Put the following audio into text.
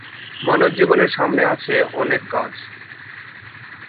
মানবজীবনের সামনে আছে অনেক কাজ।